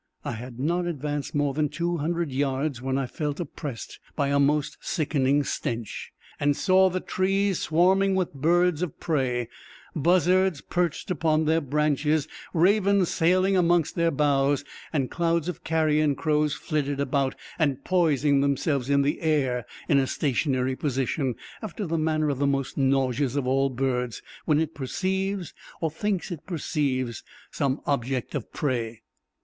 I had not advanced more than two hundred yards when I felt oppressed by a most sickening stench, and saw the trees swarming with birds of prey, buzzards perched upon their branches, ravens sailing amongst their boughs, and clouds of carrion crows flitting about, and poising themselves in the air in a stationary position, after the manner of that most nauseous of all birds, when it perceives, or thinks it perceives, some object of prey.